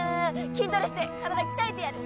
筋トレして体鍛えてやる！